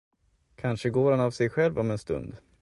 Kanske går han av sig själv om en stund.